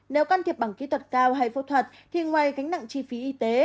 nếu can thiệp bằng kỹ thuật cao hay phẫu thuật thì ngoài gánh nặng chi phí y tế